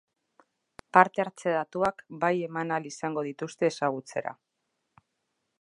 Parte hartze datuak bai eman ahal izango dituzte ezagutzera.